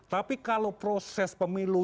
tapi kalau proses pemilu